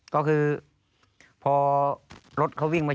ก็คือพอรถเขาวิ่งมา